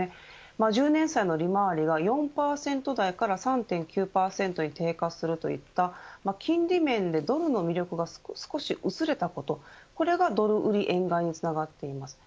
１０年債の利回りが４％台から３．９％に低下するといった金利面でドルの魅力が少し薄れたことこれがドル売り、円買いにつながっています。